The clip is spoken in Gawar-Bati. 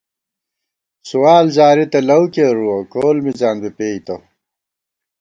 سوال زاری تہ لؤ کېرُوَہ ، کول مِزان بی پېئیتہ